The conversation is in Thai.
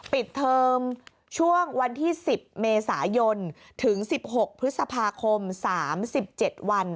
ปิดเทอมช่วงวันที่๑๐เมษายนถึง๑๖พฤษภาคม๓๗วัน